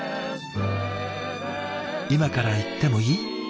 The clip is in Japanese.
「今から行ってもいい？」